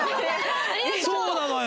そうなのよ。